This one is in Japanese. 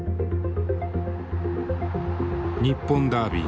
「日本ダービー」。